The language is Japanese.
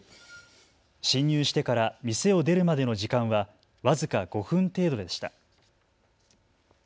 侵入してから店を出るまでの時間は僅か５分程度でした。